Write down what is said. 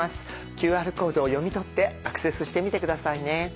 ＱＲコードを読み取ってアクセスしてみて下さいね。